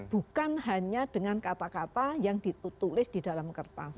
bukan hanya dengan kata kata yang ditulis di dalam kertas